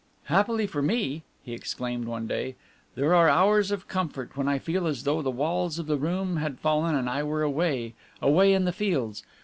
"Happily for me," he exclaimed one day, "there are hours of comfort when I feel as though the walls of the room had fallen and I were away away in the fields!